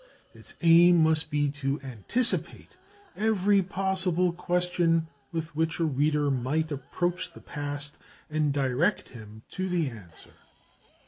Its aim must be to anticipate every possible question with which a reader might approach the past, and direct him to the answer.